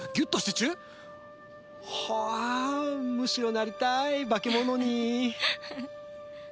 ああむしろなりたい化け物に。